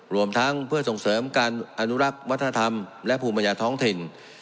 รวมทั้งเพื่อส่งเสริมการอนุรักษ์วัฒนธรรมและภูมิปัญญาท้องถิ่น